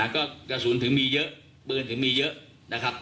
ก็กระสุนถึงมีเยอะปืนถึงมีเยอะนะครับ